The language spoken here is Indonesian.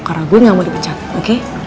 karena gue gak mau dipencat oke